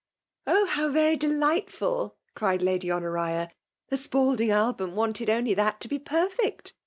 " Oh ! how very delightful !" cried I^dy Honoria. '' The Spalding album wanted only that to be perfect